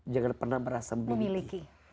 jangan pernah merasa memiliki